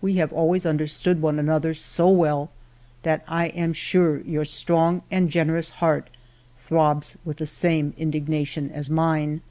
We have always understood one an other so well that I am sure your strong and generous heart throbs with the same indignation as mine.